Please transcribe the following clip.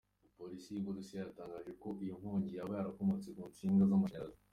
Polisi y’u Burusiya yatangaje ko iyo nkongi yaba yarakomotse ku nsinga z’amashanyarazi.